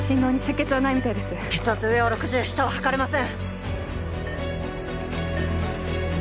血圧上は６０下は測れません